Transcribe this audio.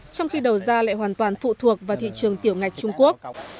trong khi đầu ra lại hoàn toàn phụ thuộc vào thị trường tiểu ngạch trung quốc